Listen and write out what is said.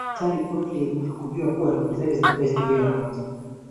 Daktari Gottlieb hakujua kuwa ripoti zake zitakuwa historia ya kwanza